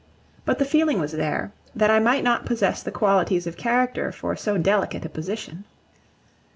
But the feeling was there, that I might not possess the qualities of character for so delicate a position.